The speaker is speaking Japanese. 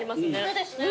そうですね。